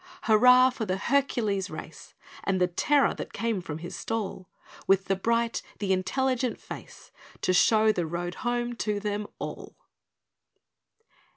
Hurrah for the Hercules race, And the terror that came from his stall, With the bright, the intelligent face, To show the road home to them all!